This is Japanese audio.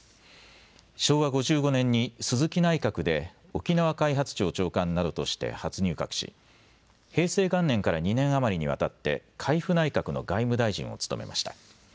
昭和５５年に鈴木内閣で沖縄開発庁長官などとして初入閣し平成元年から２年余りにわたって海部内閣の外務大臣を務めました。